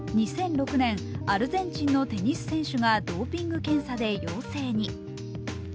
２００６年、アルゼンチンのテニス選手がドーピング検査で陽性に。